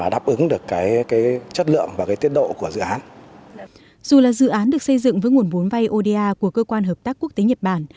dù là dự án được xây dựng với nguồn vốn vay oda của cơ quan hợp tác quốc tế nhật bản